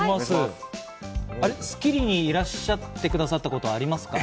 『スッキリ』にいらっしゃってくださったことはありますか？